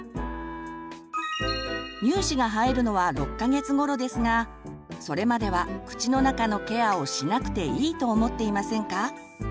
乳歯が生えるのは６か月ごろですがそれまでは口の中のケアをしなくていいと思っていませんか？